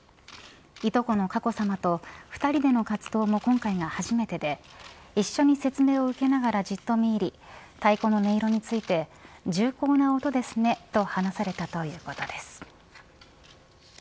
いとこの佳子さまと２人での活動も今回が初めてで一緒に説明を受けながらじっと見入り太鼓の音色について重厚な音ですねと話されたということです。